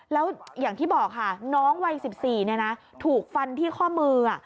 แล้วอย่างที่บอกค่ะน้องวัย๑๔ถูกฟันที่ข้อมือ